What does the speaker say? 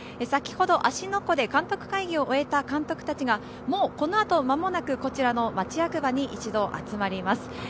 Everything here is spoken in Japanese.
先ほど芦ノ湖で監督会議を終えた監督たちがもうこの後、間もなくこちらの町役場に一度集まります。